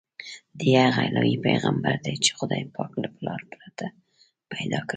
دی هغه الهي پیغمبر دی چې خدای پاک له پلار پرته پیدا کړ.